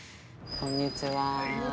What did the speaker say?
こんにちは。